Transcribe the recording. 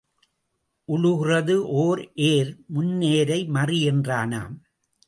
உழுகிறது ஓர் ஏர் முன் ஏரை மறி என்றானாம்.